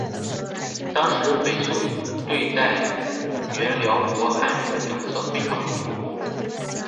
当时北宋对待原辽国汉人的政策非常不妥。